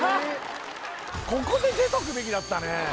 ここで出とくべきだったね